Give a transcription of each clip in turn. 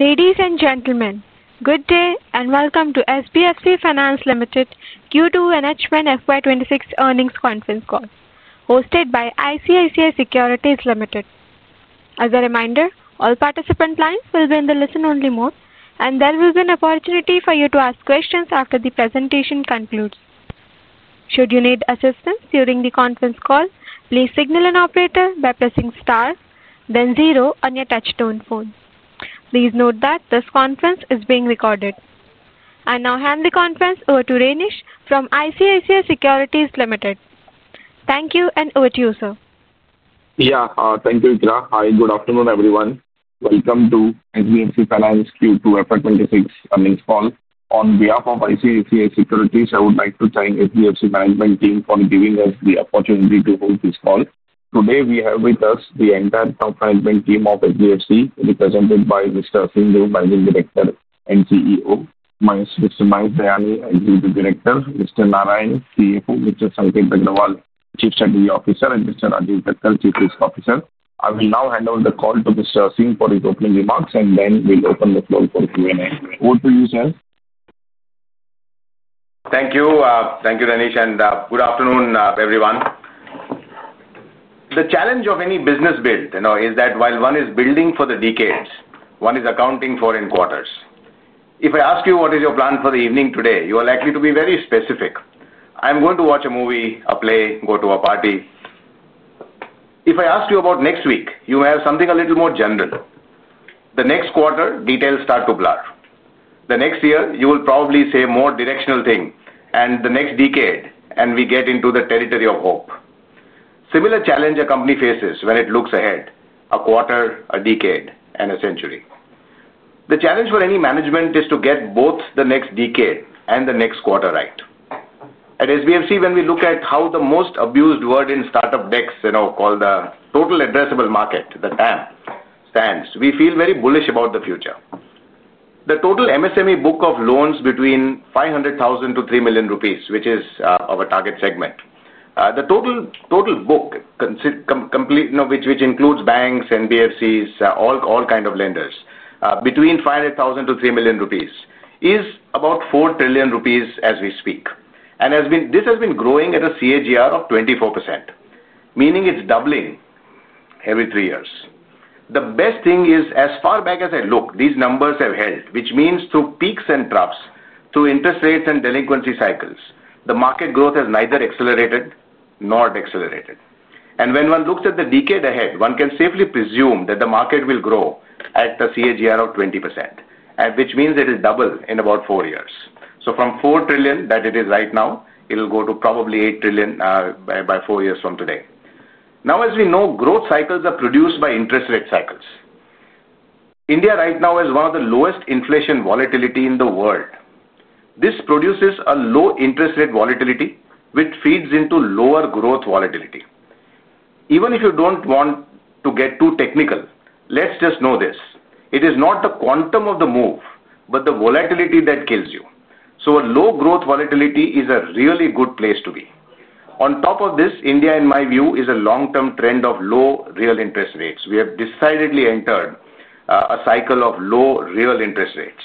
Ladies and gentlemen, good day and welcome to SBFC Finance Limited Q2NH1FY26 earnings conference call hosted by ICICI Securities Limited. As a reminder, all participant lines will be in the listen only mode and there is an opportunity for you to ask questions after the presentation concludes. Should you need assistance during the conference call, please signal an operator by pressing star then zero on your touchtone phone. Please note that this conference is being recorded. I now hand the conference over to Renish from ICICI Securities Limited. Thank you. And over to you sir. Yeah, thank you, Ikra. Hi. Good afternoon everyone. Welcome to SBFC Finance Q2FY26 earnings call. On behalf of ICICI Securities, I would like to join SBFC management team for giving us the opportunity to host this call. Today we have with us the entire top management team of SBFC represented by Mr. Aseem Dhru, Managing Director and CEO, Ms. Namrata Sajnani, Executive Director, Mr. Narayan Barasia, CFO, Mr. Sanket Agrawal, Chief Strategy Officer, and Mr. Rajiv Thakker, Chief Risk Officer. I will now hand over the call to Mr. Dhru for his opening remarks. And then we'll open the Q&A. Over to you sir. Thank you. Thank you Renish and good afternoon everyone. The challenge of any business build, you know, is that while one is building for the decades, one is accounting for in quarters. If I ask you what is your plan for the evening today, you are likely to be very specific. I am going to watch a movie, a play, go to a party. If I asked you about next week, you may have something a little more general. The next quarter details start to blur. The next year you will probably say more directional thing and the next decade and we get into the territory of hope. Similar challenge a company faces when it looks ahead a quarter, a decade and a century. The challenge for any management is to get both the next decade and the next quarter right. At SBFC, when we look at how the most abused word in startup decks called the total addressable market, the TAM stands, we feel very bullish about the future. The total MSME book of loans between 500,000-3 million rupees, which is our target segment. The total book which includes banks, NBFCs, all kind of lenders between 500,000-3 million rupees is about 4 trillion rupees as we speak. And this has been growing at a CAGR of 24%, meaning it's doubling every three years. The best thing is as far back as I look, these numbers have held. Which means through peaks and drops, through interest rates and delinquency cycles. The market growth has neither accelerated nor decelerated. When one looked at the decade ahead, one can safely presume that the market will grow at the CAGR of 20%, which means it is double in about four years. From 4 trillion that it is right now, it will go to probably 8 trillion by four years from today. Now as we know, growth cycles are produced by interest rate cycles. India right now is one of the lowest inflation volatility in the world. This produces a low interest rate volatility which feeds into lower growth volatility. Even if you don't want to get too technical, let's just know this. It is not the quantum of the move but the volatility that kills you. A low growth volatility is a really good place to be. On top of this, India in my view is a long term trend of low real interest rates. We have decidedly entered a cycle of low real interest rates.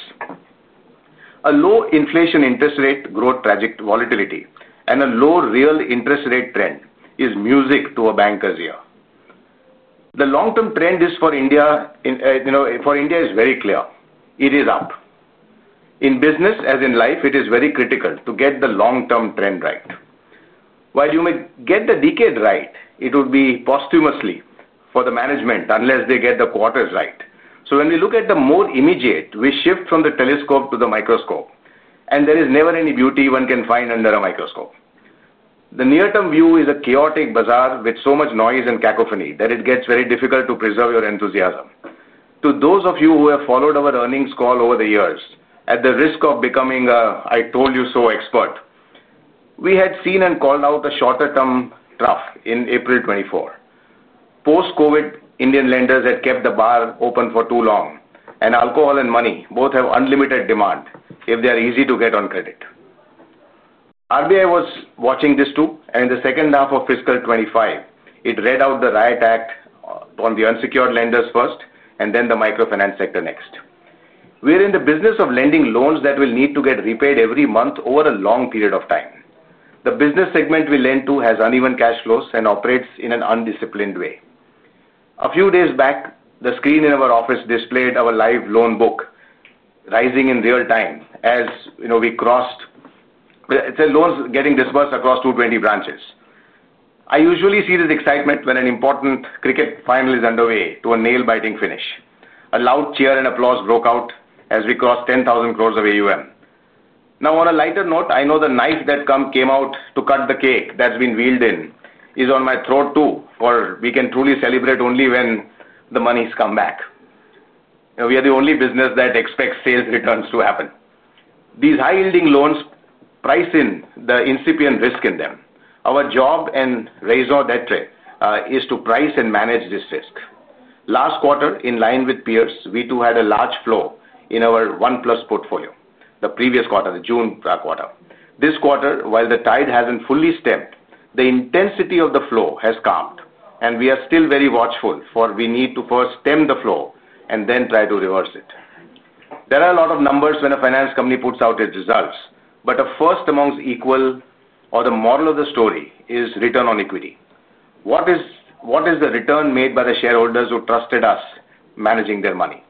A low inflation interest rate growth, tragic volatility and a low real interest rate trend is music to a banker's ear. The long term trend is for India. For India is very clear. It is up. In business as in life, it is very critical to get the long term trend right. While you may get the decade right, it would be posthumously for the management unless they get the quarters right. When we look at the more immediate we shift from the telescope to the microscope and there is never any beauty one can find under a microscope. The near term view is a chaotic bazaar with so much noise and cacophony that it gets very difficult to preserve your enthusiasm. To those of you who have followed our earnings call over the years and at the risk of becoming an I told you so expert, we had seen and called out the shorter term trough. In April 2024 post-COVID Indian lenders had kept the bar open for too long and alcohol and money both have unlimited demand if they are easy to get on credit. The RBI was watching this too and in the second half of fiscal 2025 it read out the riot act on the unsecured lenders first and then the microfinance sector next. We're in the business of lending loans that will need to get repaid every month over a long period of time. The business segment we lend to has uneven cash flows and operates in an undisciplined way. A few days back the screen in our office displayed our live loan book rising in real time. As you know, we crossed its loans getting disbursed across 220 branches. I usually see this excitement when an important cricket final is underway to a nail-biting finish. A loud cheer and applause broke out as we crossed 10,000 crore of AUM. Now on a lighter note, I know the knife that came out to cut the cake that's been wheeled in is on my throat too. We can truly celebrate only when the monies come back. We are the only business that expects sales returns to happen. These high-yielding loans price in the incipient risk in them. Our job and razor that way is to price and manage this risk. Last quarter in line with peers, we too had a large flow in our 1+ portfolio. The previous quarter, the June quarter, this quarter. While the tide hasn't fully stemmed, the intensity of the flow has calmed and we are still very watchful for we need to first stem the flow and then try to reverse it. There are a lot of numbers when a finance company puts out its results. But a first amounts equal or the moral of the story is return on equity. What is the return made by the shareholders who trusted us managing their money?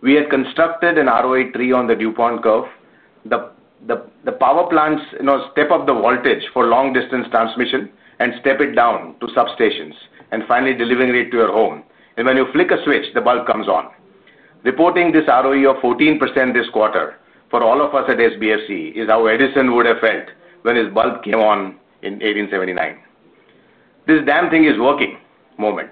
We had constructed an ROA tree on the DuPont curve. The power plants step up the voltage for long distance transmission and step it down to substations and finally delivering it to your own. When you flick a switch the bulb comes on. Reporting this ROE of 14% this quarter for all of us at SBFC is how Edison would have felt when his bulb came on in 1879. This damn thing is working moment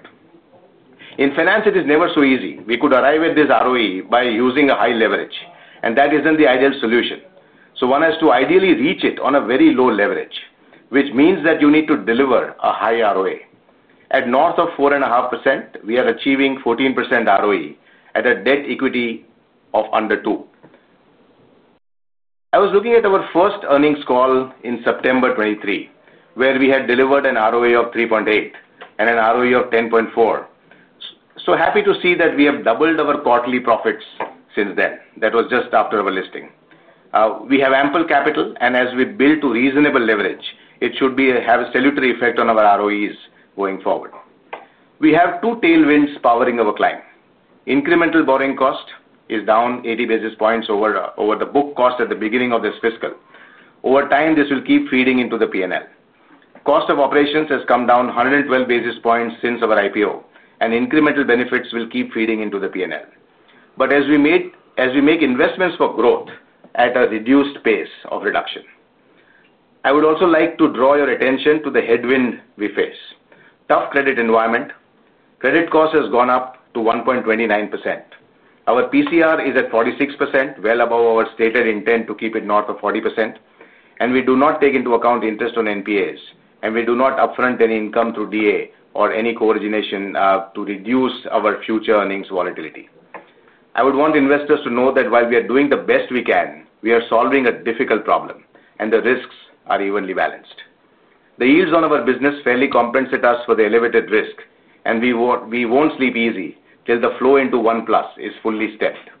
in finance it is never so easy. We could arrive at this ROE by using a high leverage and that isn't the ideal solution. One has to ideally reach it on a very low leverage which means that you need to deliver a high ROA at north of 4.5%. We are achieving 14% ROE at a debt-to-equity of under 2. I was looking at our first earnings call in September 2023 where we had delivered an ROA of 3.8 and an ROE of 10.4. Happy to see that we have doubled our quarterly profits since then. That was just after our listing. We have ample capital and as we build to reasonable leverage it should have a salutary effect on our ROEs going forward. We have two tailwinds powering our client. Incremental borrowing cost is down 80 basis points over the book cost at the beginning of this fiscal. Over time this will keep feeding into the P&L. Cost of operations has come down 112 basis points since our IPO and incremental benefits will keep feeding into the P&L. As we make investments for growth at a reduced pace of reduction, I would also like to draw your attention to the headwind we face. Tough credit environment. Credit cost has gone up to 1.29%, our PCR is at 46% well above our stated intent to keep it north of 40% and we do not take into account interest on NPAs and we do not upfront any income to DA or any co-origination to reduce our future earnings volatility. I would want investors to know that while we are doing the best we can, we are solving a difficult problem and the risks are evenly balanced. The yields on our business fairly compensate us for the elevated risk and we won't sleep easy till the flow into OnePlus is fully steadfast.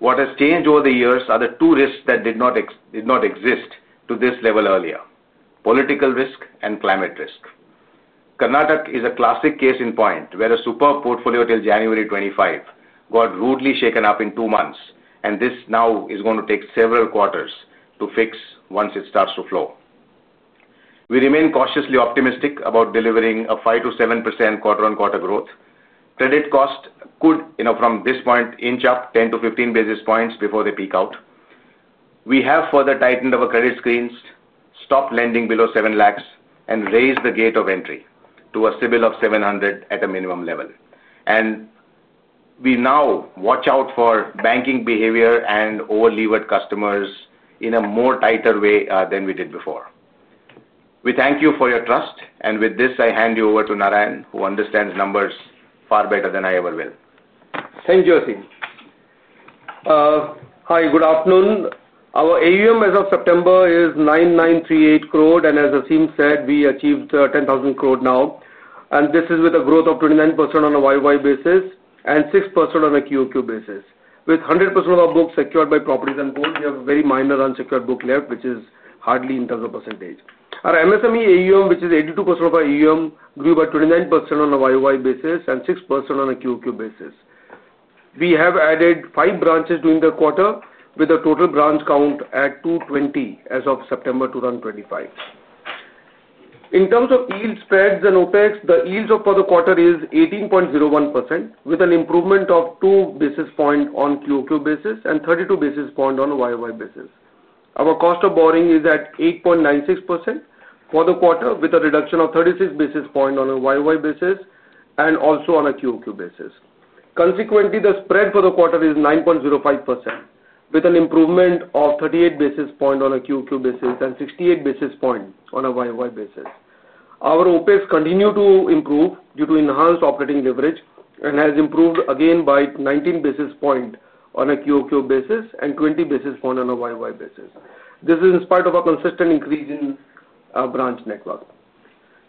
What has changed over the years are the two risks that did not exist to this level earlier: political risk and climate risk. Karnataka is a classic case in point where a superb portfolio till January 2025 got rudely shaken up in two months and this now is going to take several quarters to fix once it starts to flow. We remain cautiously optimistic about delivering a 5%-7% quarter-on-quarter growth. Credit cost could from this point inch up 10-15 basis points before they peak out. We have further tightened our credit screens, stopped lending below 700,00 and raised the gate of entry to a CIBIL of 700,000 at a minimum level and we now watch out for banking behavior and over-levered customers in a more tighter way than we did before. We thank you for your trust and with this I hand you over to Narayan who understands numbers far better than I ever will. Thank you. Hi, good afternoon. Our AUM as of September is 9,938 crore and as Aseem said we achieved 10,000 crore now and this is with a growth of 29% on a year-on-year basis and 6% on a quarter-on-quarter basis. With 100% of our books secured by properties and Gold, we have a very minor unsecured book left which is hardly in terms of percentage. Our MSME AUM, which is 82% of our AUM, grew by 29% on a year-on-year basis and 6% on a quarter-on-quarter basis. We have added five branches during the quarter with a total branch count at 220 as of September 2025. In terms of yield, spreads, and OpEx, the yields for the quarter is 18.01% with an improvement of 2 basis points on a quarter-on-quarter basis and 32 basis points on a year-on-year basis. Our cost of borrowing is at 8.96% for the quarter with a reduction of 36 basis points on a year-on-year basis and also on a quarter-on-quarter basis. Consequently, the spread for the quarter is 9.05% with an improvement of 38 basis points on a quarter-on-quarter basis and 68 basis point on a YY basis. Our OpEx continue to improve due to enhanced operating leverage and has improved again by 19 basis points on a QoQ basis and 20 basis points on a YY basis. This is in spite of a consistent increase in branch network.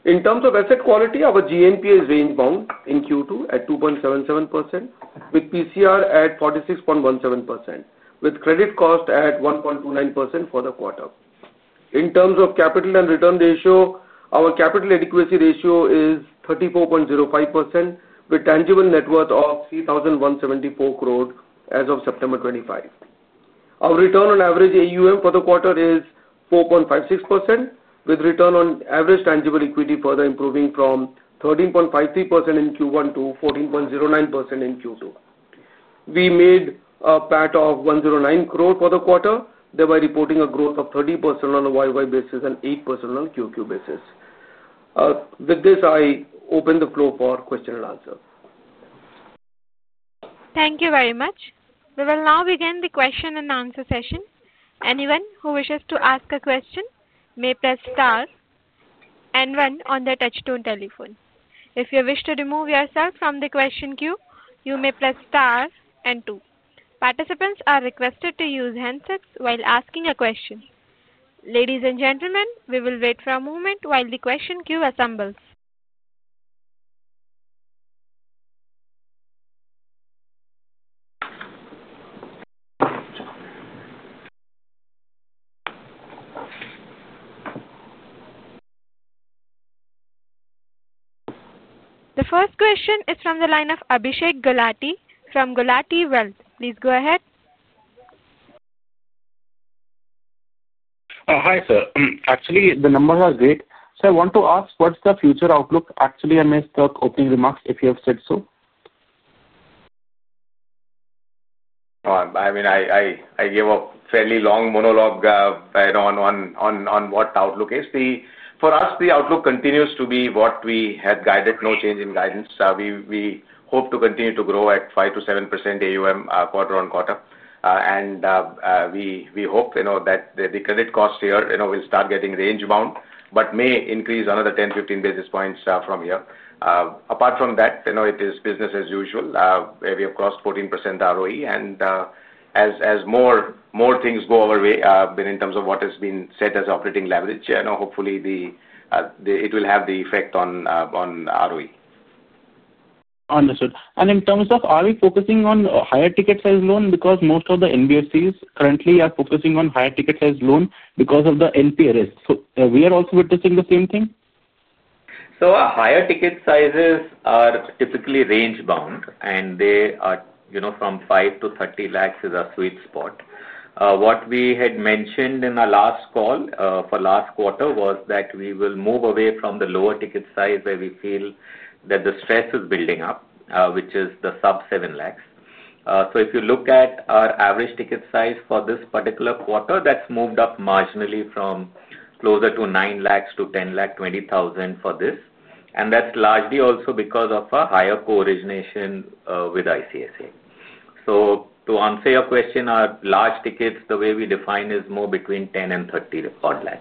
In terms of asset quality, our G&P is rangebound in Q2 at 2.77% with PCR at 46.17% with credit cost at 1.29% for the quarter. In terms of capital and return ratio, our capital adequacy ratio is 34.05% with tangible net worth of 3,174 crore as of September 25. Our Return on Average AUM for the quarter is 4.56% with Return on Average Tangible Equity further improving from 13.53% in Q1 to 14.09% in Q2. We made a PAT of 109 crore for the quarter thereby reporting a growth of 30% on a YY basis and 8% on QoQ basis. With this I open the floor for question and answer. Thank you very much. We will now begin the question and answer session. Anyone who wishes to ask a question may press star and one on the touch tone telephone. If you wish to remove yourself from the question queue, you may press star and two. Participants are requested to use handsets while asking a question. Ladies and gentlemen, we will wait for a moment while the question queue assembles. The first question is from the line of Abhishek Gulati from Gulati Wealth. Please go ahead. Hi sir. Actually the numbers are great. I want to ask what's the future outlook? Actually on my opening remarks, if you have said so. I mean I gave a fairly long monologue on what outlook is for us. The outlook continues to be what we had guided, no change in guidance. We hope to continue to grow at 5%-7% AUM quarter on quarter and we hope that the credit cost here will start getting range bound but may increase another 10-15 basis points from here. Apart from that it is business as usual where we have crossed 14% ROE and as more things go our way in terms of what has been said as operating leverage, hopefully the IT will have the effect on ROE. Understood. In terms of are we focusing on higher ticket size loan because most of the NBFCs currently are focusing on higher ticket size loan because of the NPA risk. We are also witnessing the same thing. Higher ticket sizes are typically range bound and they are, you know, from 500,000 to 3,000,000 is a sweet spot. What we had mentioned in our last call for last quarter was that we will move away from the lower ticket size where we feel that the stress is building up, which is the sub 700,000. If you look at our average ticket size for this particular quarter, that has moved up marginally from closer to 900,000 to 1,020,000 for this. That is largely also because of a higher co-origination with ICICI. To answer your question, our large tickets, the way we define, is more between 1,000,000 and 3,000,000.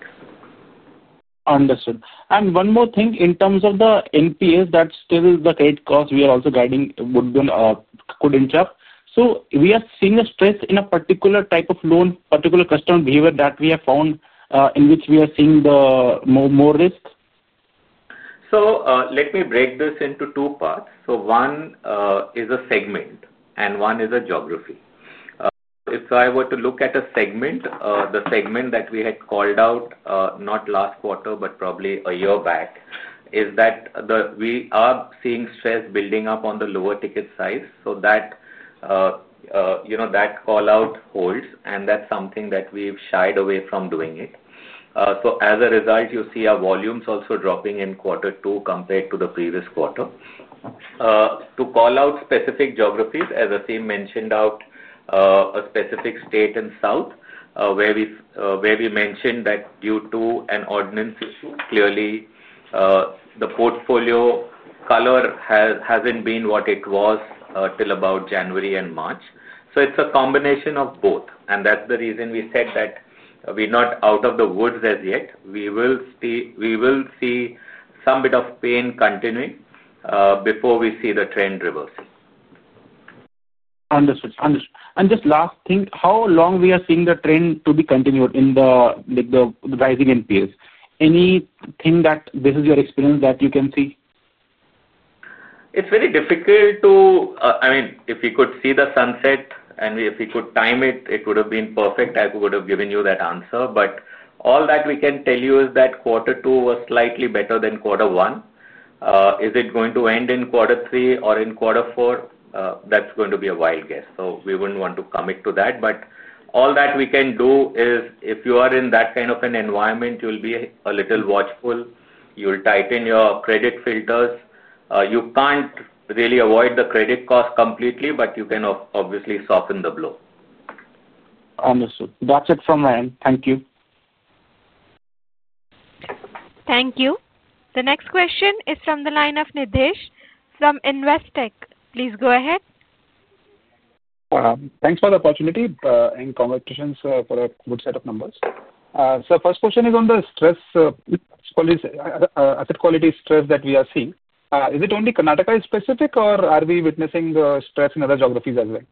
Understood. One more thing, in terms of the NPAs, that is still the great cost we are also guiding would be, could interrupt. We are seeing a stress in a particular type of loan, particular customer behavior that we have found in which we are seeing the more risk. Let me break this into two parts. One is a segment and one is a geography. If I were to look at a segment, the segment that we had called out not last quarter but probably a year back is that we are seeing stress building up on the lower ticket size so that call out holds and that's something that we've shied away from doing. As a result, you see our volumes also dropping in quarter two compared to the previous quarter. To call out specific geographies, as Aseem mentioned, a specific state in south where we mentioned that due to an ordinance issue, clearly the portfolio color has not been what it was till about January and March. It is a combination of both. That is the reason we said that we're not out of the woods as yet. We will see some bit of pain continuing before we see the trend reversal. Understood. Just last thing, how long are we seeing the trend to be continued in the rising NPAs? Anything that this is your experience that you can see. It's very difficult to. I mean if we could see the sunset and if we could time it, it would have been perfect. I would have given you that answer. All that we can tell you is that quarter two was slightly better than quarter one. Is it going to end in quarter three or in quarter four? That is going to be a wild guess. We would not want to commit to that. All that we can do is if you are in that kind of an environment you will be a little watchful, you will tighten your credit filters. You cannot really avoid the credit cost completely, but you can obviously soften the blow. Understood.That's it from my end. Thank you. Thank you. The next question is from the line of Nidhesh from Investec. Please go ahead. Thanks for the opportunity and conversations for a good set of numbers. First question is on the stress, quality stress that we are seeing. Is it only Karnataka specific or are we witnessing the stress in other geographies as well?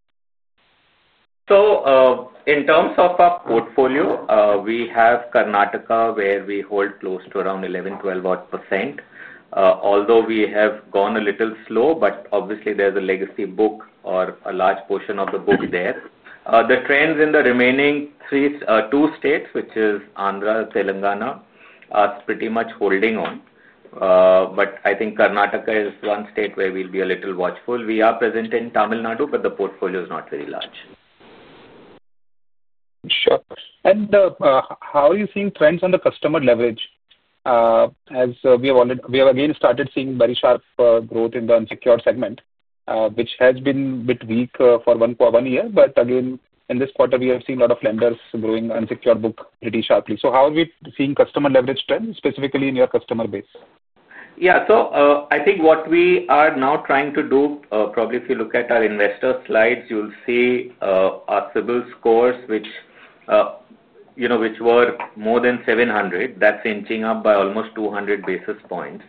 In terms of our portfolio, we have Karnataka where we hold close to around 11-12% although we have gone a little slow. Obviously, there is a legacy book or a large portion of the book there. The trends in the remaining two states, which is Andhra, Telangana, are pretty much holding on. I think Karnataka is one state where we will be a little watchful. We are present in Tamil Nadu but the portfolio is not very large. Sure. How are you seeing trends on the customer leverage? As we have again started seeing very sharp growth in the unsecured segment, which has been a bit weak for one year. Again, in this quarter we have seen a lot of lenders growing unsecured book pretty sharply. How are we seeing customer leverage trend specifically in your customer base? Yeah, so I think what we are now trying to do probably if you look at our investor slides you'll see our CIBIL scores which you know, which were more than 700, that's inching up by almost 200 basis points.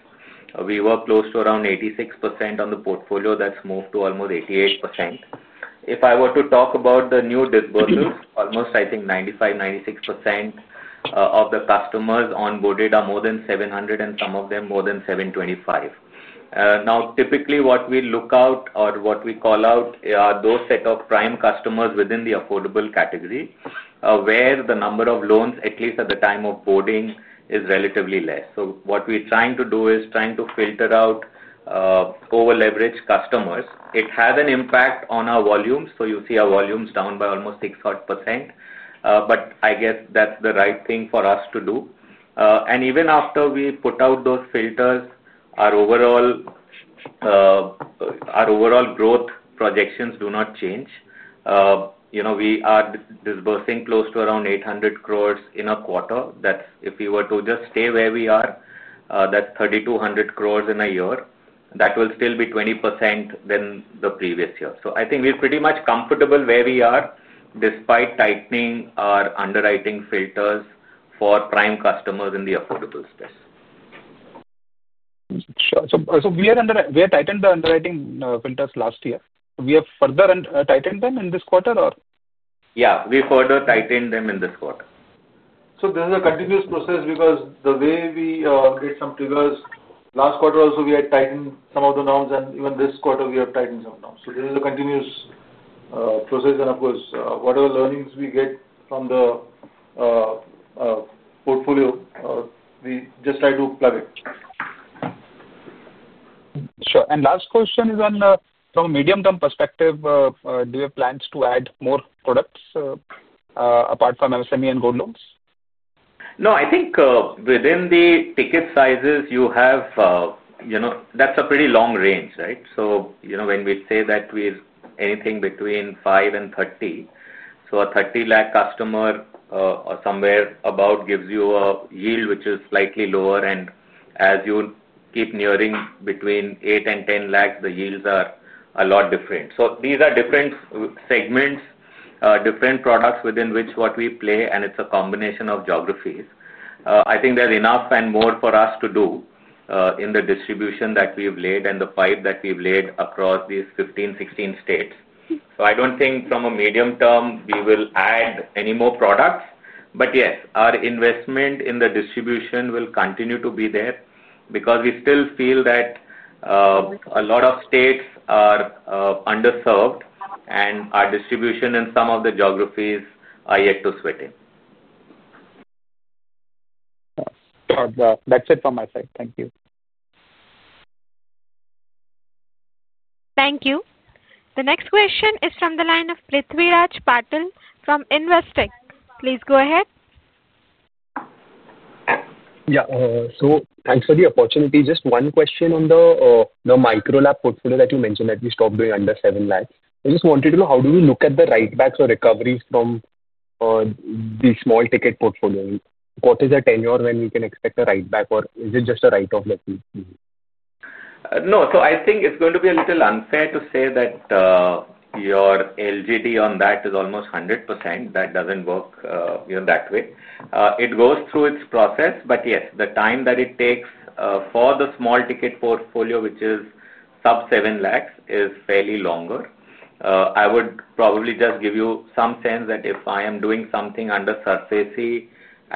We were close to around 86% on the portfolio that's moved to almost 88%. If I were to talk about the new disbursements almost I think 95-96% of the customers onboarded are more than 700 and some of them more than 725. Now typically what we look out or what we call out are those set of prime customers within the affordable category where the number of loans at least at the time of boarding is relatively less. So what we're trying to do is trying to filter out over-leveraged customers. It has an impact on our volumes. You see our volumes down by almost 6% odd. I guess that's the right thing for us to do. Even after we put out those filters our overall growth projections do not change. You know we are disbursing close to around 800 crore in a quarter that if we were to just stay where we are, that's 3,200 crore in a year that will still be 20% than the previous year. I think we're pretty much comfortable where we are. Despite tightening our underwriting filters for prime customers in the affordable space. Sure. We had tightened the underwriting filters last year. We have further tightened them in this quarter. Yeah, we further tightened them in this quarter. This is a continuous process because the way we get some triggers last quarter also we had tightened some of the norms and even this quarter we have tightened some norms. There is a continuous process and of course whatever learnings we get on the portfolio, we just try to plug it. Sure. Last question is on. From a medium term perspective, do you have plans to add more products apart from MSME and Gold loans? No, I think within the ticket sizes you have, you know that's a pretty long range. Right. You know when we say that we anything between 500,000 and 3 million. A 3 million customer or somewhere about gives you a yield which is slightly lower. As you keep nearing between 800,000 and 1 million the yields are a lot different. These are different segments, different products within which what we play. It's a combination of geographies. I think there's enough and more for us to do in the distribution that we have laid and the pipe that we've laid across these 15-16 states. I don't think from a medium term we will add any more products. Yes, our investment in the distribution will continue to be there because we still feel that a lot of states are underserved and our distribution in some of the geographies are yet to sweat in. That's it from my side. Thank you. Thank you. The next question is from the line of Prithviraj Patil from Investec. Please go ahead. Yeah, so thanks for the opportunity. Just one question. On the micro lab portfolio that you mentioned that we stopped doing under 700,000, I just wanted to know how do we look at the write backs or recoveries from the small ticket portfolio? What is a tenure when we can expect a write back or is it just a write off? No. I think it's going to be a little unfair to say that your LGD on that is almost 100%. That doesn't work that way. It goes through its process. Yes, the time that it takes for the small ticket portfolio which is sub 700,000 is fairly longer. I would probably just give you some sense that if I am doing something under surface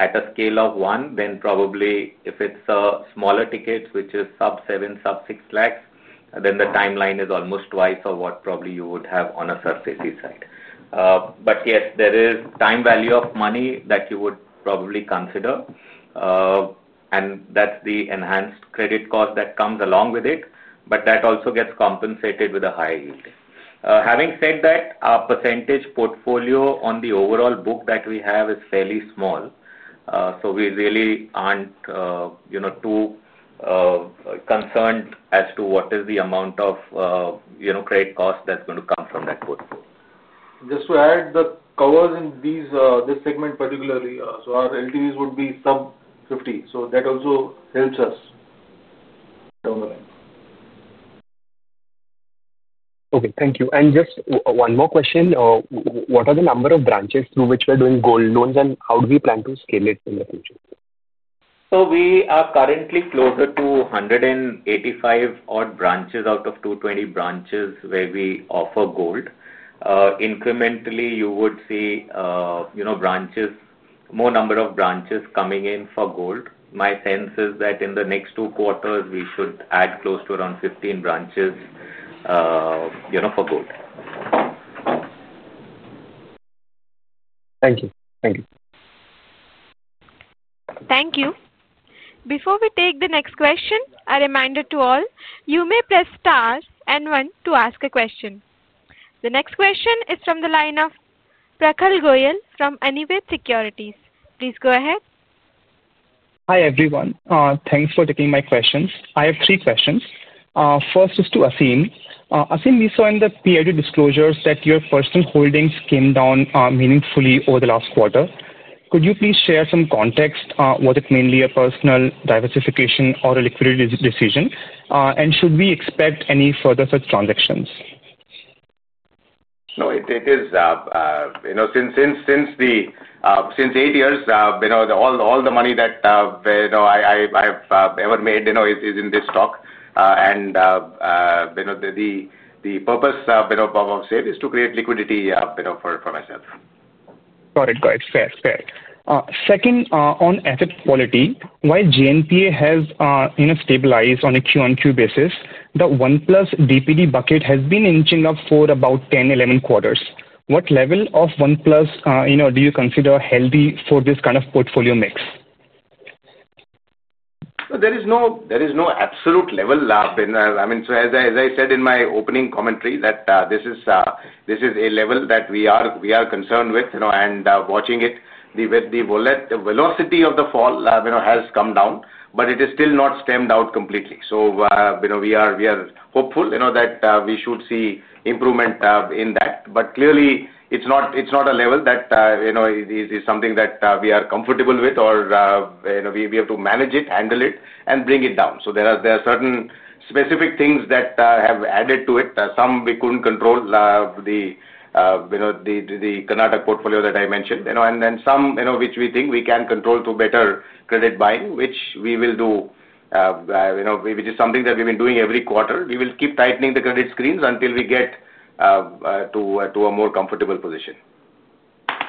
at a scale of one then probably if it's a smaller ticket, which is sub seven, sub 600,000, then the timeline is almost twice of what probably you would have on a surface side. Yes, there is time value of money that you would probably consider and that's the enhanced credit cost that comes along with it. That also gets compensated with a high yield. Having said that, our percentage portfolio on the overall book that we have is fairly small. We really aren't, you know, too concerned as to what is the amount of, you know, credit cost that's going to come from that portfolio. Just to add the covers in these, this segment particularly. Our NDVs would be some 50. That also helps us down the line. Okay, thank you. Just one more question. What are the number of branches through which we're doing Gold loans and how do we plan to scale it? We are currently closer to 185 odd branches out of 220 branches where we offer Gold incrementally. You would see, you know, branches, more number of branches coming in for Gold. My sense is that in the next two quarters we should add close to around 15 branches, you know, for Gold. Thank you. Thank you. Thank you. Before we take the next question, a reminder to all. You may press star and one to ask a question. The next question is from the line of Prakash Goyal from Axis Securities. Please go ahead. Hi everyone. Thanks for taking my questions. I have three questions. First is to Aseem. Aseem, we saw in the PID disclosures that your personal holdings came down meaningfully over the last quarter. Could you please share some context? Was it mainly a personal diversification or a liquidity decision? Should we expect any further such transactions? No, it is, you know, since eight years. All the money that I have ever made is in this stock and the purpose is to create liquidity for myself. All right, guys, fair. Second, on asset quality, while G&P has stabilized on a Q-on-Q basis, the OnePlus DPD bucket has been inching up for about 10-11 quarters. What level of OnePlus do you consider healthy for this kind of portfolio mix? There is no absolute level. I mean, as I said in my opening commentary, this is a level that we are concerned with and watching it. The velocity of the fall has come down, but it is still not stemmed out completely. We are hopeful that we should see improvement in that. Clearly, it is not a level that is something that we are comfortable with or we have to manage it, handle it, and bring it down. There are certain specific things that have added to it. Some we could not control, the Karnataka portfolio that I mentioned, and then some which we think we can control through better credit buying, which we will do, which is something that we have been doing every quarter. We will keep tightening the credit screens until we get to a more comfortable position.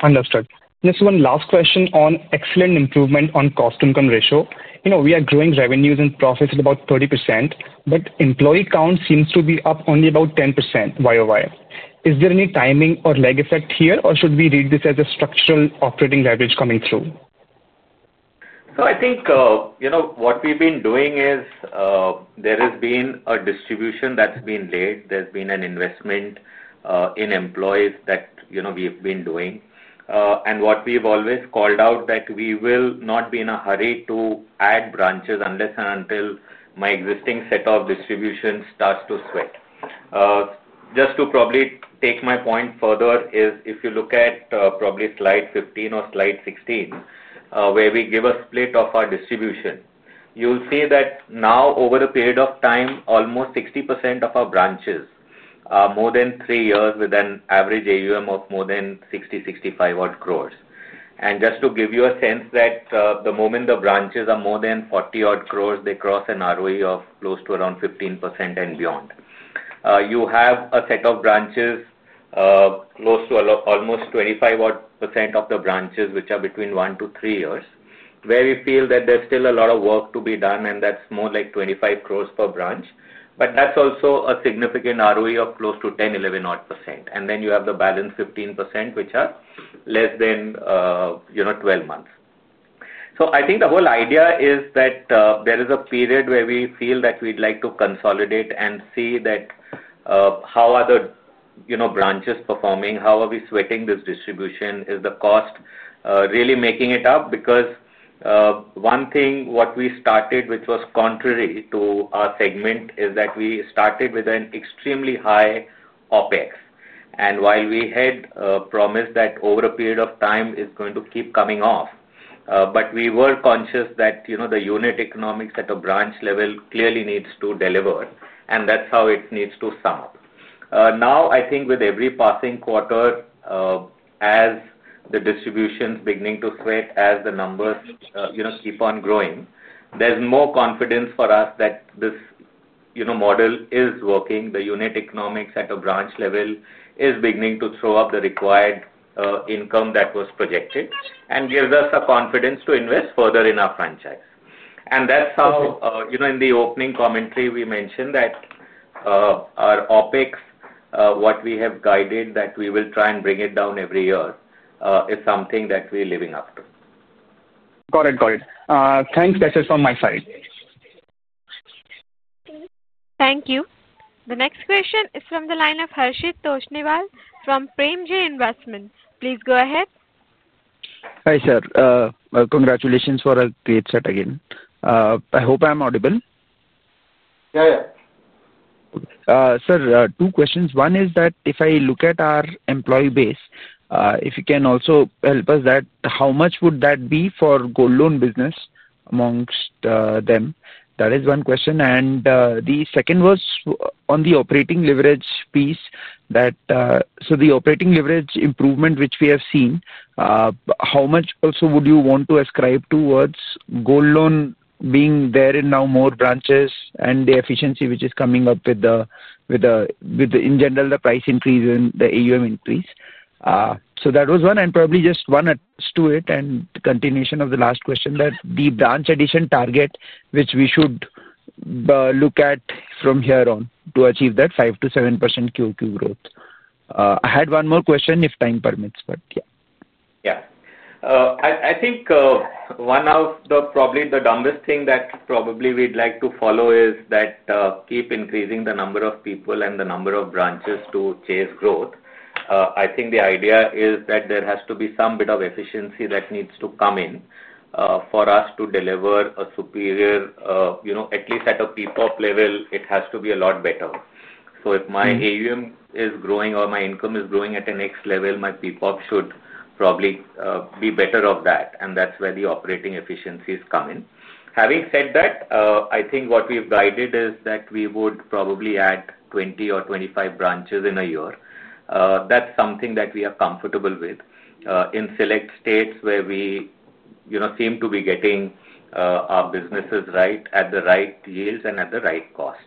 Understood. Just one last question on excellent improvement on cost income ratio. We are growing revenues and profits at about 30% but employee count seems to be up only about 10%. Is there any timing or leg effect here or should we read this as a structural operating leverage coming through? I think, you know, what we've been doing is there has been a distribution that's been laid. There's been an investment in employees that we've been doing. What we've always called out, that we will not be in a hurry to add branches unless and until my existing set of distributions starts to sweat. Just to probably take my point further is if you look at probably Slide 15 or Slide 16 where we give a split of our distribution, you'll see that now over a period of time almost 60% of our branches are more than three years with an average AUM of more than 60 crore-65 crore. Just to give you a sense that the moment the branches are more than 40 crore they cross an ROE of close to around 15% and beyond. You have a set of branches, goes to almost 25% of the branches, which are between one to three years where we feel that there's still a lot of work to be done. That's more like 25 crore per branch. That's also a significant ROE of close to 10%-11%. Then you have the balance 15% which are less than 12 months. I think the whole idea is that there is a period where we feel that we'd like to consolidate and see that how are the branches performing? How are we sweating this distribution? Is the cost really making it up? Because one thing, what we started which was contrary to our segment is that we started with an extremely high OpEx. While we had promised that over a period of time it's going to keep coming off, we were conscious that the unit economics at a branch level clearly needs to deliver and that's how it needs to sum up. Now I think with every passing quarter as the distribution's beginning to spread, as the numbers keep on growing, there's more confidence for us that this model is working. The unit economics at a branch level is beginning to throw up the required income that was projected and gives us a confidence to invest further in our franchise. That's how, you know, in the opening commentary we mentioned that our OpEx, what we have guided that we will try and bring it down every year, is something that we're living up to. Got it, got it. Thanks. That's it on my side. Thank you. The next question is from the line of Harshit Toshniwal from Premji Investment. Please go ahead. Hi sir. Congratulations for a great start. Again I hope I'm audible Sir, two questions. One is that if I look at our employee base, if you can also help us that how much would that be for Gold loan business amongst them. That is one question and the second was on the operating leverage piece that so the operating leverage improvement which we have seen how much also would you want to ascribe towards Gold loan being there in now more branches and the efficiency which is coming up with the, with the in general, the price increase in the AUM increase. So that was one, and probably just one to it, and continuation of the last question, that the branch addition target which we should look at from here on to achieve that 5%-7% QoQ growth. I had one more question if time permits. Yeah, I think one of the probably the dumbest things that probably we'd like to follow is that keep increasing the number of people and the number of branches to chase growth. I think the idea is that there has to be some bit of efficiency that needs to come in for us to deliver a superior, you know, at least at a PPOP level it has to be a lot better. So if my AUM is growing or my income is growing at the next level, my PPOP should probably be better off that and that's where the operating efficiencies come in. Having said that, I think what we've guided is that we would probably add 20-25 branches in a year. That's something that we are comfortable with in select states where we seem to be getting our businesses right at the right yields and at the right cost.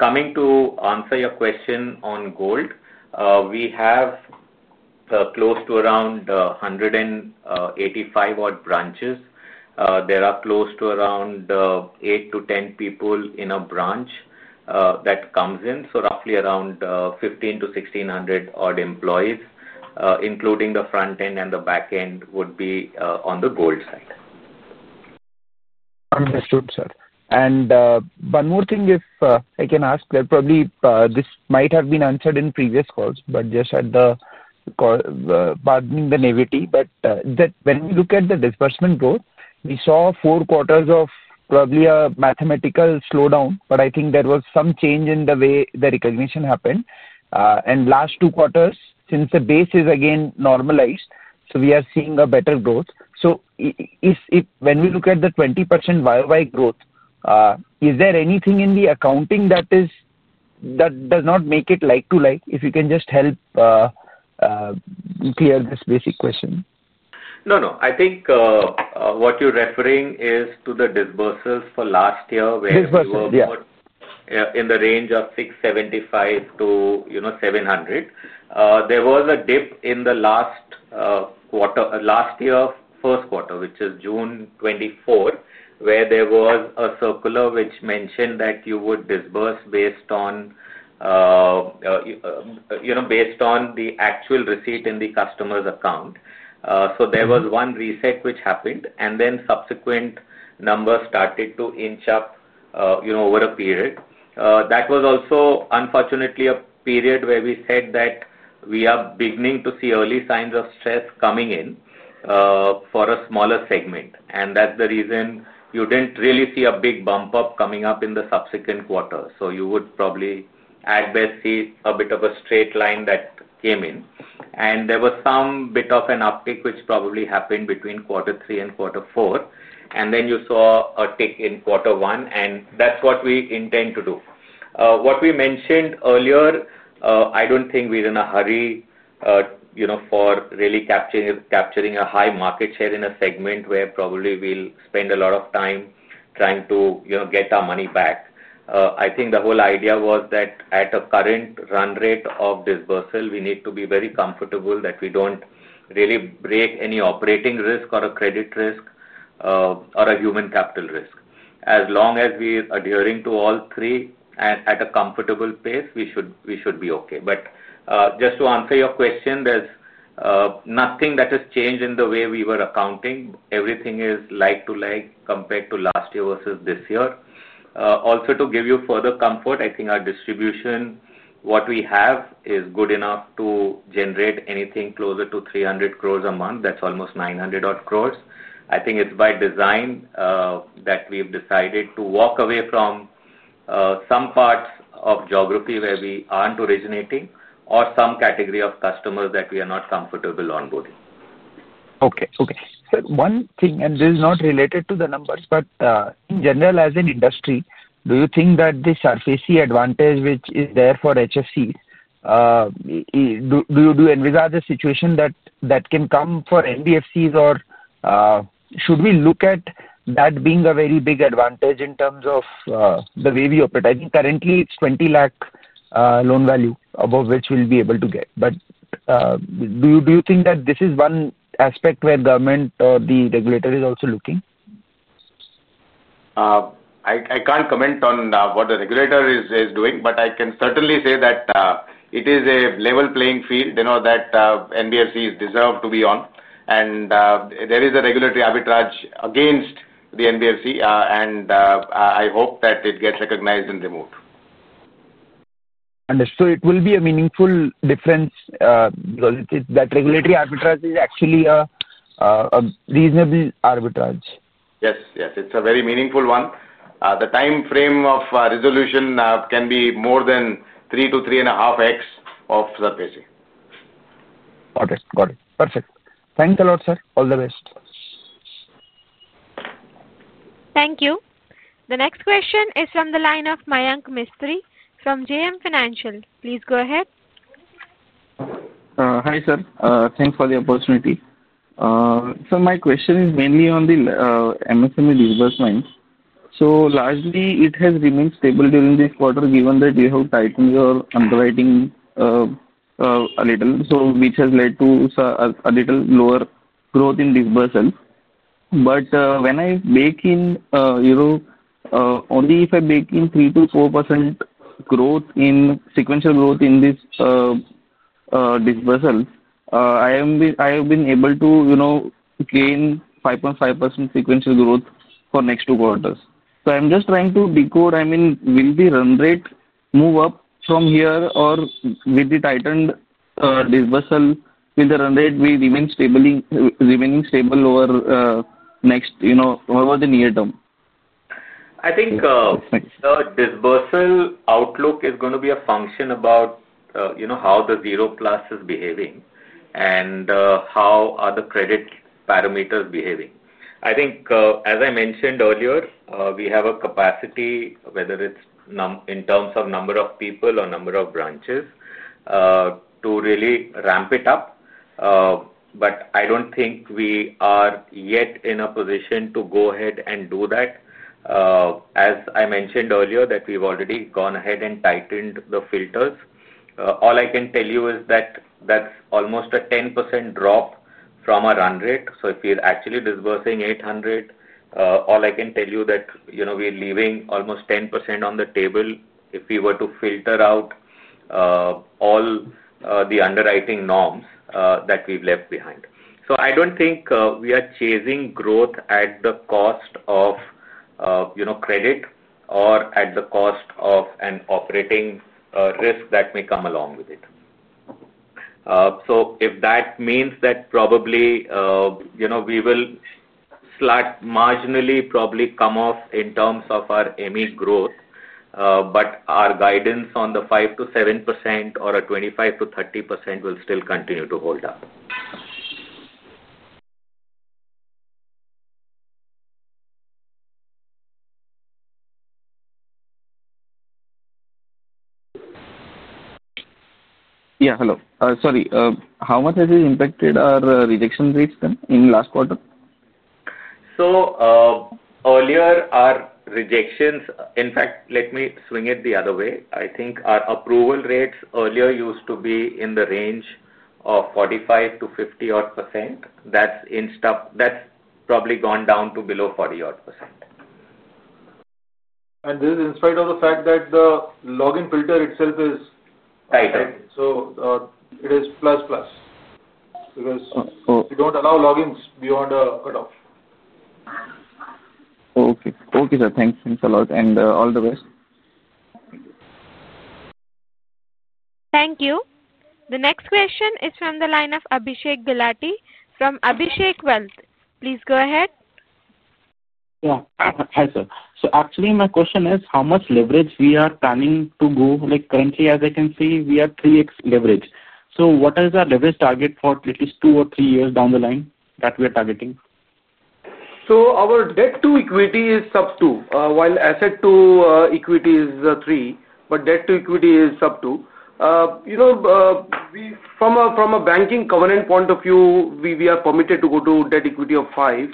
Coming to answer your question on Gold, we have close to around 185 odd branches. There are close to around 8-10 people in a branch that comes in, so roughly around 1,500-1,600 odd employees including the front end and the back end would be on the Gold side. Understood sir. One more thing if I can ask that probably this might have been answered in previous calls, but just pardoning the naivety, when we look at the disbursement growth, we saw Q4 of probably a mathematical slowdown. I think there was some change in the way the recognition happened, and last two quarters since the base is again normalized, we are seeing a better growth. If when we look at the 20% year-over-year growth, is there anything in the accounting that does not make it like to like, if you can just help clear this basic question. No, no, I think what you're referring is to the disbursals for last year in the range of 675 crore to, you know, 700 crore. There was a dip in the last quarter. Last year, first quarter, which is June 2024, where there was a circular which mentioned that you would disburse based on, you know, based on the actual receipt in the customer's account. There was one reset which happened and then subsequent numbers started to inch up. You know what appeared. That was also unfortunately a period where we said that we are beginning to see early signs of stress coming in for a smaller segment. That is the reason you did not really see a big bump up coming up in the subsequent quarter. You would probably at best see a bit of a straight line that came in and there was some bit of an uptick which probably happened between quarter three and quarter four and then you saw a tick in quarter one. That is what we intend to do. What we mentioned earlier, I do not think we are in a hurry for really capturing a high market share in a segment where probably we will spend a lot of time trying to get our money back. I think the whole idea was that at a current run rate of disbursal, we need to be very comfortable that we do not really break any operating risk or a credit risk or a human capital risk. As long as we are adhering to all three at a comfortable pace, we should be okay. Just to answer your question, there is nothing that has changed in the way we were accounting. Everything is like to like compared to last year versus this year. Also to give you further comfort, I think our distribution, what we have is good enough to generate anything closer to 300 crore a month. That is almost 900 crore. I think it is by design that we have decided to walk away from some parts of geography where we are not originating or some category of customers that we are not comfortable onboarding. Okay, okay. One thing, and this is not related to the numbers, but in general as an industry, do you think that the surface advantage which is there for HFC, do you envisage a situation that can come for NBFCs or should we look at that being a very big advantage in terms of the way we operate? I think currently it's 2 million loan value above which we'll be able to get. Do you think that this is one aspect where government or the regulator is also looking? I can't comment on what the regulator is doing, but I can certainly say that it is a level playing field. You know that NBFC is deserved to be on, and there is a regulatory arbitrage against the NBFC, and I hope that it gets recognized and removed. Understood. It will be a meaningful difference because that regulatory arbitrage is actually a reasonably arbitrage. Yes, yes, it's a very meaningful one. The time frame of resolution can be more than 3x-3.5x of SBFC. Okay, got it. Perfect. Thanks a lot, sir. All the best. Thank you. The next question is from the line of Mayank Mistry from JM Financial. Please go ahead. Hi sir. Thanks for the opportunity. My question is mainly on the MSME disbursement, so largely it has remained stable during this quarter given that you have tightened your underwriting a little, which has led to a little lower growth in disbursal. When I bake in, you know, only if I bake in 3%-4% sequential growth in this disbursal, I have been able to, you know, gain 5.5% sequential growth for next two quarters. I'm just trying to decode, I mean will the run rate move up from here or with the tightened dispersal with the run rate we remain stable over the near term? I think the disbursal outlook is going to be a function about how the zero plus is behaving and how are the credit parameters behaving. I think as I mentioned earlier we have a capacity whether it is in terms of number of people or number of branches to really ramp it up. I do not think we are yet in a position to go ahead and do that. As I mentioned earlier that we have already gone ahead and tightened the filters. All I can tell you is that that is almost a 10% drop from our run rate. If we are actually disbursing 800, all I can tell you is that we are leaving almost 10% on the table if we were to filter out all the underwriting norms that we have left behind. I do not think we are chasing growth at the cost of, you know, credit or at the cost of an operating risk that may come along with it. If that means that probably, you know, we will slash marginally, probably come off in terms of our MSME growth but our guidance on the 5%-7% or a 25%-30% will still continue to hold up. Yeah, hello, sorry. How much has it impacted our rejection rates then in last quarter? Earlier our rejections, in fact let me swing it the other way. I think our approval rates earlier used to be in the range 45%-50% odd. That’s in stuff that’s probably gone down to below 40% odd. And this is in spite of the fact that the login printer itself is, so it is plus plus. Plus, you do not allow logins beyond. Okay, sir, thanks. Thanks a lot and all the best. Thank you. The next question is from the line of Abhishek Gulati from Abhishek Wealth. Please go ahead. Actually my question is how much leverage we are planning to go like currently as I can see we are 3x leverage. What is our leverage target for at least two or three years down the line that we are targeting? Our debt-to-equity is sub 2 while asset-to-equity is 3. Debt-to-equity is up to. You know, from a banking covenant point of view we are permitted to go to debt-to-equity of 5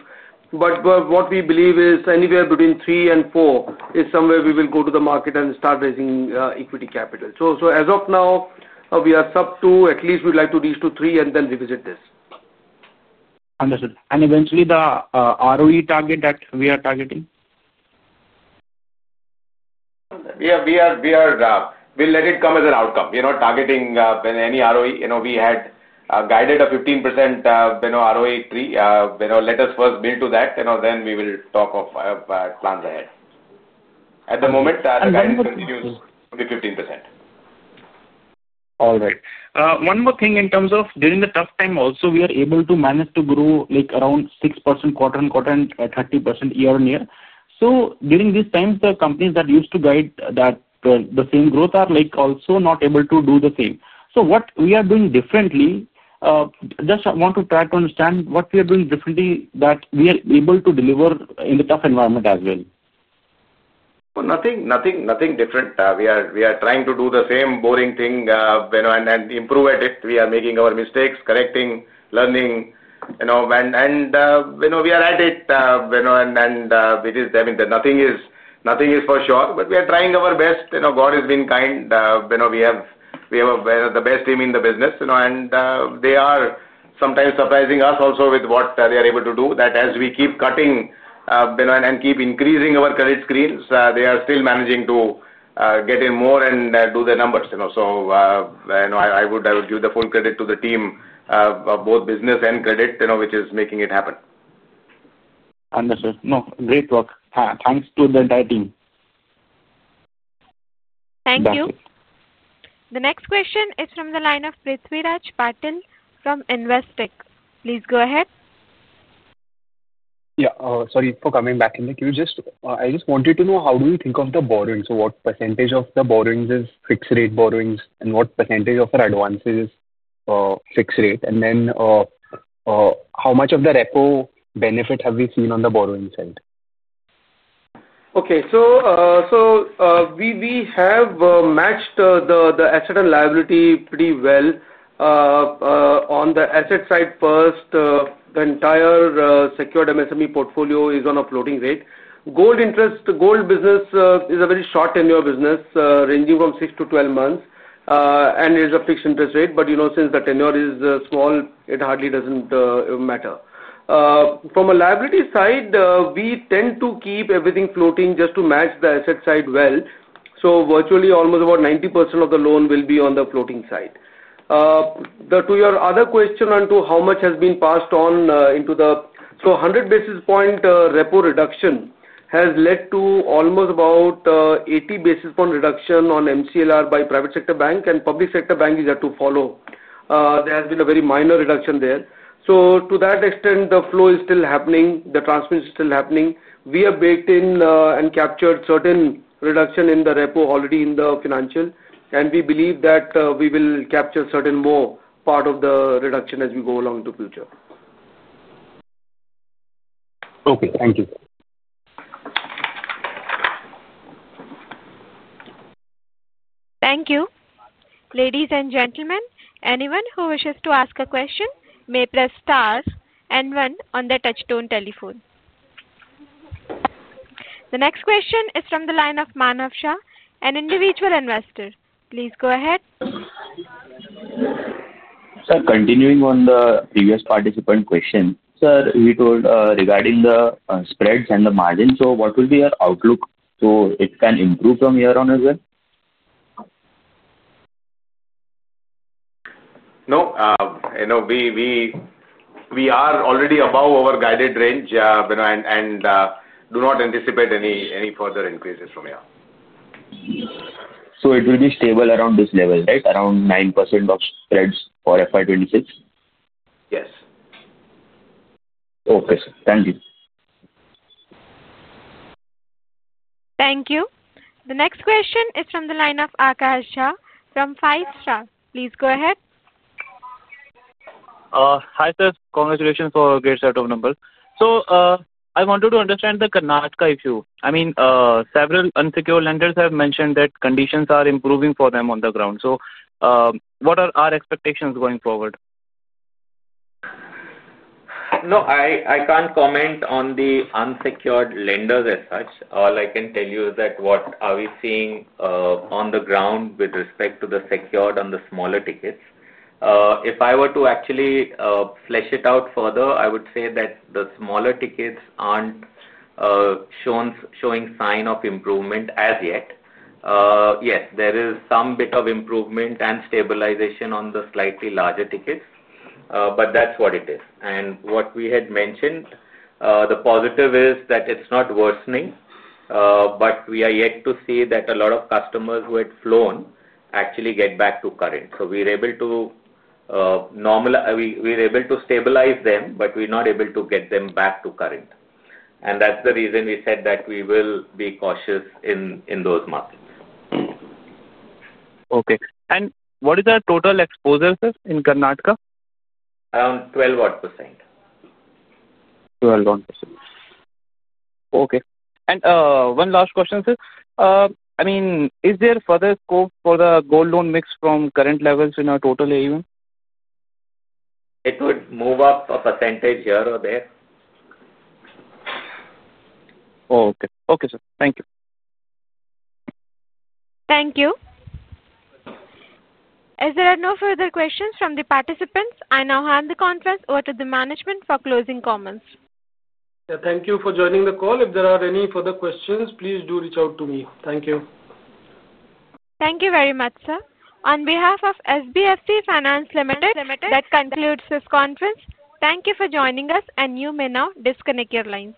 but what we believe is anywhere between 3 and 4 is somewhere we will go to the market and start raising equity capital. As of now we are sub two at least we'd like to reach to three and then revisit this. Understood. Eventually the ROE target that we are targeting. Yeah, we are, we'll let it come as an outcome. We not targeting any ROE. You know, we had guided a 15 ROE tree. Let us first build to that, you know, then we will talk of plans ahead. At the moment, 15%. All right. One more thing in terms of during the tough time also we are able to manage to grow like around 6% quarter on quarter and 30% year on year. During these times the companies that used to guide that the same growth are like also not able to do the same. What are we doing differently? Just want to try to understand what we are doing differently that we are able to deliver in the tough environment as well. Nothing different. We are trying to do the same boring thing and improve at it. We are making our mistakes, correcting, learning. You know, we are at it. It is, I mean nothing is for sure but we are trying our best, you know, God has been kind. We have the best team in the business, you know. They are sometimes surprising us also with what they are able to do. As we keep cutting and keep increasing our credit screens, they are still managing to get in more and do the numbers, you know. I would give the full credit to the team, both business and credit, which is making it happen. Understood. No, great work. Thanks to the entire team. Thank you. The next question is from the line of Prithviraj Patil from Investec. Please go ahead. Yeah, sorry for coming back in the queue. I just wanted to know how do we think of the borrowings? What percentage of the borrowings is fixed rate borrowings and what percentage of the advances fixed rate? And then how much of the repo benefit have we seen on the borrowing side? Okay, so we have matched the asset and liability pretty well on the asset side. First, the entire secured MSME portfolio is on a floating rate Gold interest. Gold business is a very short tenure business ranging from 6-12 months and there's a fixed interest rate. But you know, since the tenure is small, it hardly doesn't matter. From a liability side, we tend to keep everything floating just to match the asset side well. Virtually almost about 90% of the loan will be on the floating side. To your other question onto how much has been passed on into the, so 100 basis point repo reduction has led to almost about 80 basis point reduction on MCLR by private sector bank and public sector bank is there to follow? There has been a very minor reduction there. To that extent the flow is still happening, the transmission is still happening. We have baked in and captured certain reduction in the repo already in the financial and we believe that we will capture certain more part of the reduction as we go along to future. Okay, thank you. Thank you. Ladies and gentlemen, anyone who wishes to ask a question may press star and one on the touchstone telephone. The next question is from the line of Manav Shah, an individual investor. Please go ahead. Sir, continuing on the previous participant question, sir, he told regarding the spreads and the margin. What will be your outlook so it can improve from here on as well? No, you know, we are already above our guided range and do not anticipate any further increases from here. It will be stable around this level, right around 9% of spreads for FY2026. Yes. Okay, sir. Thank you. Thank you. The next question is from the line of Akash from [Five Star]. Please go ahead. Hi sir. Congratulations for a great set of numbers. I wanted to understand the Karnataka issue. I mean several unsecured lenders have mentioned that conditions are improving for them on the ground. What are our expectations going forward? No, I can't comment on the unsecured lenders as such. All I can tell you is that what are we seeing on the ground with respect to the secured on the smaller tickets? If I were to actually flesh it out further, I would say that the smaller tickets aren't showing sign of improvement as yet. Yes, there is some bit of improvement and stabilization on the slightly larger tickets, but that's what it is. What we had mentioned, the positive is that it's not worsening. We are yet to see that a lot of customers who had flown actually get back to current. We're able to normal, we're able to stabilize them, but we're not able to get them back to current. That's the reason we said that we will be cautious in those markets. Okay, what is the total exposure in Karnataka? Around 12% odd. Okay. One last question, sir. I mean is there further scope for the Gold loan mix from current levels in our total AUM? It would move up a percentage here or there. Okay sir. Thank you. Thank you. As there are no further questions from the participants, I now hand the conference over to the management for closing comments. Thank you for joining the call. If there are any further questions, please do reach out to me. Thank you. Thank you very much, sir. On behalf of SBFC Finance Limited, that concludes this conference. Thank you for joining us and you may now disconnect your lines.